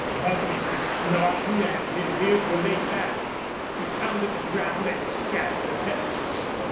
Buckles was snorting and his ears were laid back. He pounded the ground and scattered the pebbles.